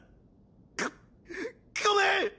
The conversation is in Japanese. ごごめん！